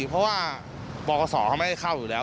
เพราะว่าปกศเขาไม่ได้เข้าอยู่แล้ว